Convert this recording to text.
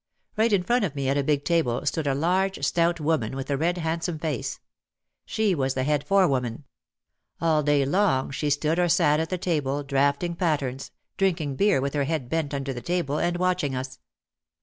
Right in front of me at a big table stood a large stout woman with a red handsome face. She was the head forewoman. All day long she stood or sat at the table draughting pat terns, drinking beer with her head bent under the table, and watching us.